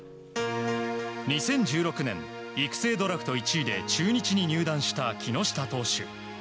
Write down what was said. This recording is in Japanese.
２０１６年、育成ドラフト１位で中日に入団した木下投手。